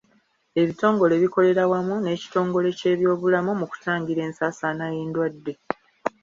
Ebitongole bikolera wamu n'ekitongole ky'ebyobulamu mu kutangira ensaasaana y'endwadde.